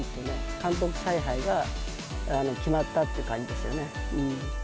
監督采配が決まったって感じですよね。